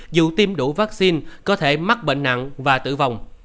dù tiêm đủ vaccine có thể mắc bệnh nặng và tử vong